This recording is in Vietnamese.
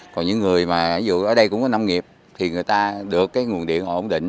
còn những người mà ví dụ ở đây cũng có nông nghiệp thì người ta được cái nguồn điện ổn định